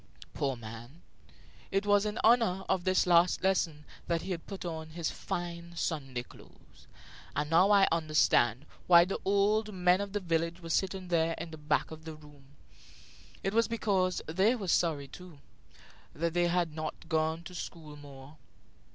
Poor man! It was in honor of this last lesson that he had put on his fine Sunday clothes, and now I understood why the old men of the village were sitting there in the back of the room. It was because they were sorry, too, that they had not gone to school more.